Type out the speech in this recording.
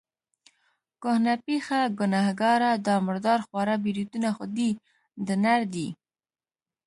کهنه پېخه، ګنهګاره، دا مردار خواره بریتونه خو دې د نر دي.